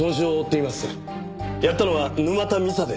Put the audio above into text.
やったのは沼田美沙です。